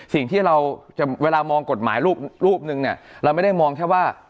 สิ่งที่เราจะเวลามองกฎหมายรูปหนึ่งเนี่ยเราไม่ได้มองแค่ว่า